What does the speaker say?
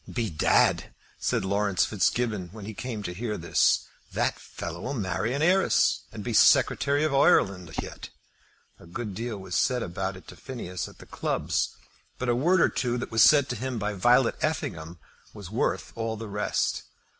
"Bedad," said Laurence Fitzgibbon, when he came to hear this, "that fellow'll marry an heiress, and be Secretary for Oireland yet." A good deal was said about it to Phineas at the clubs, but a word or two that was said to him by Violet Effingham was worth all the rest.